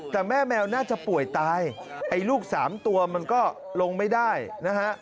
แต่แม่แมวน่าจะป่วยตายไอ้ลูกสามตัวมันก็ลงไม่ได้นะฮะ